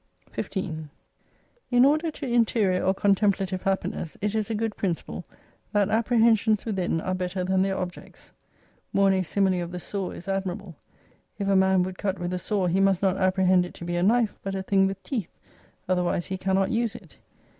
249 15 In order to interior or contemplative happiness, it is a good principle : that apprehensions within are better than their objects. Mornay's simile of the saw is admirable : If a man would cut with a saw, he must not apprehend it to be a knife, but a thing with teeth, otherwise he cannot use it.